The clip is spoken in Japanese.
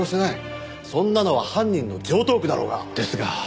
そんなのは犯人の常套句だろうが。ですが。